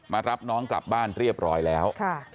รับน้องกลับบ้านเรียบร้อยแล้ว